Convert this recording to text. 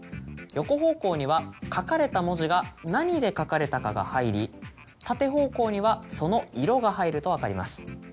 横方向には書かれた文字が何で書かれたかが入り縦方向にはその色が入ると分かります。